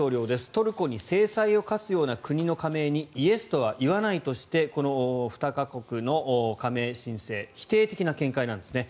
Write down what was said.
トルコに制裁を科すような国の加盟にイエスとは言わないとしてこの２か国の加盟申請否定的な見解なんですね。